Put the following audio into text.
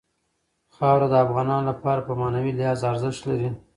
خاوره د افغانانو لپاره په معنوي لحاظ ارزښت لري.